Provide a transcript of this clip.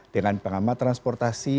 dengan pengamat transportasi